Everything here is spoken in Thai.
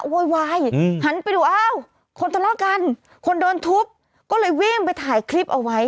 โวยวายหันไปดูอ้าวคนทะเลาะกันคนโดนทุบก็เลยวิ่งไปถ่ายคลิปเอาไว้